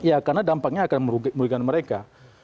ya karena dampaknya akan merugikan mereka